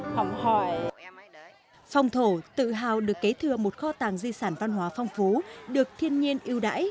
phong thổ tự hào được kế thừa một kho tàng di sản văn hóa phong phú được thiên nhiên ưu đãi